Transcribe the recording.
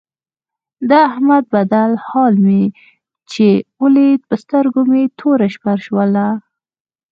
د احمد بدل حال مې چې ولید په سترګو مې توره شپه شوله.